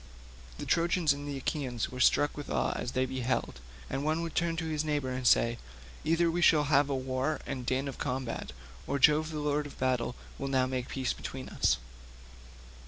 The Trojans and Achaeans were struck with awe as they beheld, and one would turn to his neighbour, saying, "Either we shall again have war and din of combat, or Jove the lord of battle will now make peace between us."